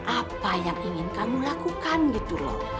apa yang ingin kamu lakukan gitu loh